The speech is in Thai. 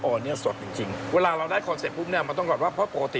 แน่นงีแล้วสดจริงจริงเวลาเราได้นี่อ๋อมันต้องก่อนว่าเพราะปกติ